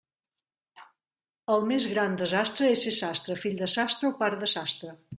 El més gran desastre és ser sastre, fill de sastre o pare de sastre.